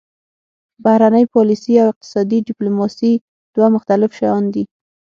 بهرنۍ پالیسي او اقتصادي ډیپلوماسي دوه مختلف شیان دي